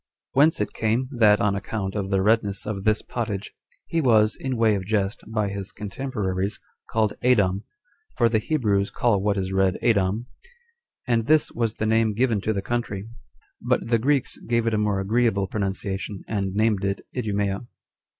Whence it came, that, on account of the redness of this pottage, he was, in way of jest, by his contemporaries, called Adom, for the Hebrews call what is red Adom; and this was the name given to the country; but the Greeks gave it a more agreeable pronunciation, and named it Idumea.